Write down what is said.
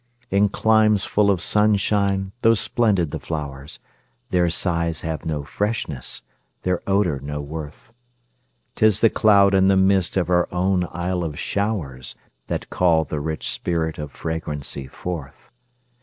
In climes full of sunshine, tho' splendid the flowers, Their sighs have no freshness, their odor no worth; 'Tis the cloud and the mist of our own Isle of showers, That call the rich spirit of fragrancy forth.